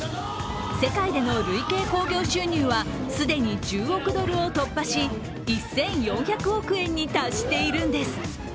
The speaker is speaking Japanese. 世界での累計興行収入は既に１０億ドルを突破し、１４００億円に達しているんです。